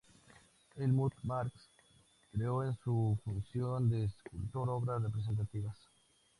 Helmuth Marx creó, en su función de escultor, obras representativas.